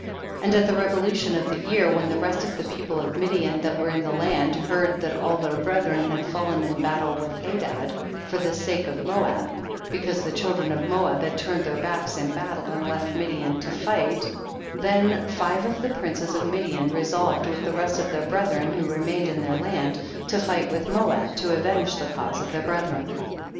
14. And at the revolution of the year, when the rest of the people of Midian that were in the land heard that all their brethren had fallen in baltle with Hadad for the sake of Moab, because the children of Moab had turned their backs in battle and left Midian to fight, tlien five of the princes of Midian resolved with the rest of their brethren who remained in their land, to fight with Moab to avenge tlic cause of their brethren.